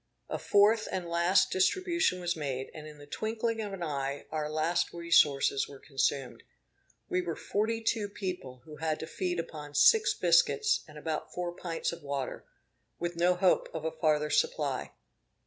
A fourth and last distribution was made, and in the twinkling of an eye, our last resources were consumed. We were forty two people who had to feed upon six biscuits and about four pints of water, with no hope of a farther supply.